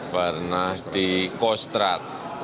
pernah di kostrat